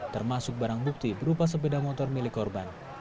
termasuk barang bukti berupa sepeda motor milik korban